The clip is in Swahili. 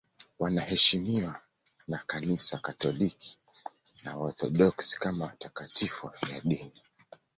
Wanaheshimiwa na Kanisa Katoliki na Waorthodoksi kama watakatifu wafiadini.